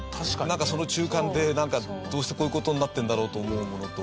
なんかその中間でどうしてこういう事になってるんだろうと思うものと。